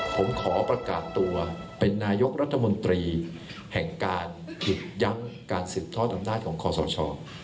ผมขอประกาศตัวเป็นนายกรัฐมนตรีแห่งการผิดย้ำการสืบทอดอำนาจของคอสช